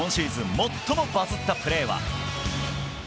最もバズったプレーは。